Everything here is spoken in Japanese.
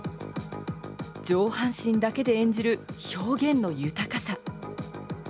上半身だけで演じる表現の豊かさ。